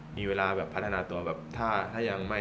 มีเวลาแบบพัฒนาตัวแบบถ้ายังไม่